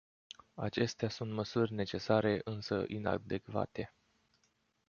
Acestea sunt măsuri necesare, însă inadecvate.